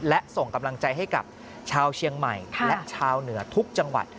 และส่งกำลังใจให้กับชาวเชียงใหม่และชาวเหนือทุกจังหวัด